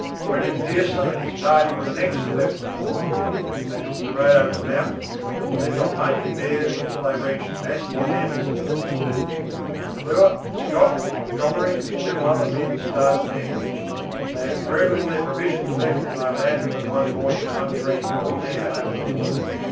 "William Pearson and his party were the next who left the Port. They took the road over the mountains, and lived on monkey bears until they reached Massey and Anderson's. "McClure, Scott, Montgomery, and several other men started next. They had very little of their provisions left when I landed them one morning at One Tree Hill there over the water.